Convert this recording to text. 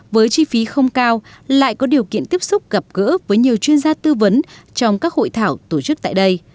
với chi phí không cao lại có điều kiện tiếp xúc gặp gỡ với nhiều chuyên gia tư vấn trong các hội thảo tổ chức tại đây